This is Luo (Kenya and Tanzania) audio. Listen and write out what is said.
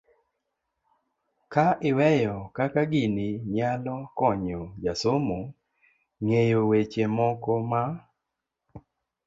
ka iweyo kaka gini nyalo konyo jasomo ng'eyo weche moko ma